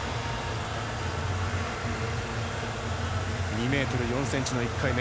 ２ｍ４ｃｍの１回目。